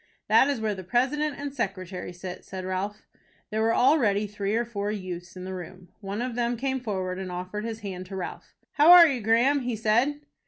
"That is where the president and secretary sit," said Ralph. There were already three or four youths in the room. One of them came forward and offered his hand to Ralph. "How are you, Graham?" he said.